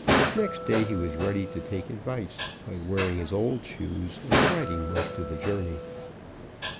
Next day he was ready to take advice, by wearing his old shoes and riding most of the journey.